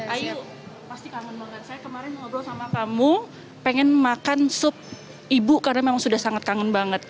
ayo pasti kangen banget saya kemarin ngobrol sama kamu pengen makan sup ibu karena memang sudah sangat kangen banget